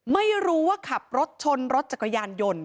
ไม่รู้ว่าขับรถชนรถจักรยานยนต์